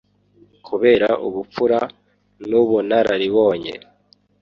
Kubera ubupfura n’ubunararibonye